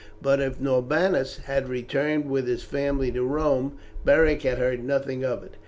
But if Norbanus had returned with his family to Rome, Beric had heard nothing of it.